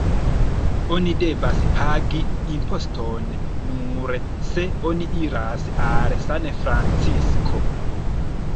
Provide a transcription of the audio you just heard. Oni devas pagi imposton nur se oni iras al Sanfrancisko.